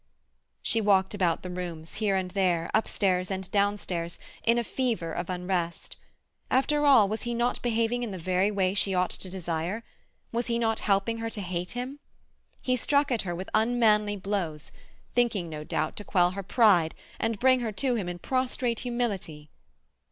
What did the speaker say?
She walked about the rooms, here and there, upstairs and downstairs, in a fever of unrest. After all, was he not behaving in the very way she ought to desire? Was he not helping her to hate him? He struck at her with unmanly blows, thinking, no doubt, to quell her pride, and bring her to him in prostrate humility.